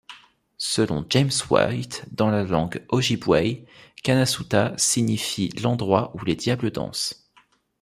Selon James White, dans la langue ojibway, Kanasuta signifie l'endroit où les diables dansent.